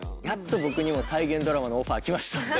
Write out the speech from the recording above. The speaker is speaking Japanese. やっと僕にも再現ドラマのオファーきました。